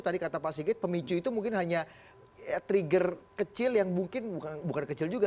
tadi kata pak sigit pemicu itu mungkin hanya trigger kecil yang mungkin bukan kecil juga